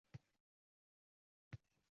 Yomgʻirli va sovuq havodan charchadingizmi?